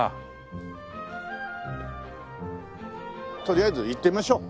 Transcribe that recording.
とりあえず行ってみましょう。